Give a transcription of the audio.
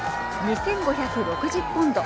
２５６０ポンド。